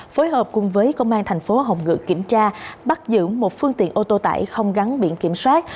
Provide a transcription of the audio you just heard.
phối hợp cùng với công an tp hồng ngựa kiểm tra bắt giữ một phương tiện ô tô tải không gắn biển kiểm soát